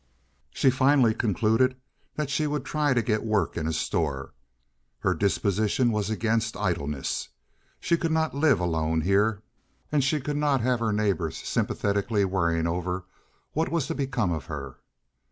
She finally concluded that she would try to get work in a store. Her disposition was against idleness. She could not live alone here, and she could not have her neighbors sympathetically worrying over what was to become of her.